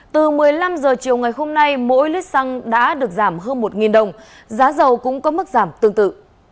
từ một mươi năm h chiều ngày hôm nay mỗi lít xăng đã được giảm hơn một đồng giá dầu cũng có mức giảm tương tự